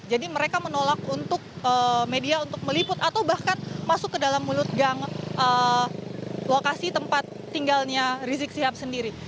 jadi mereka menolak untuk media untuk meliput atau bahkan masuk ke dalam mulut gang lokasi tempat tinggalnya rizik sihab sendiri